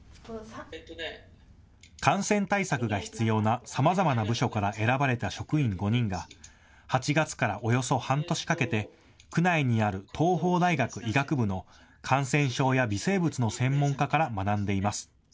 感染対策が必要なさまざまな部署から選ばれた職員５人が８月からおよそ半年かけて区内にある東邦大学医学部の感染症や微生物の専門家から学んでいます。